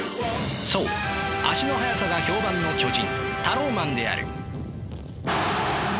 そう足の速さが評判の巨人タローマンである。